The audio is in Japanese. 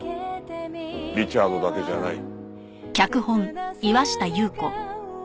リチャードだけじゃない。